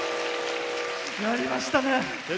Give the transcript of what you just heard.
やりましたね。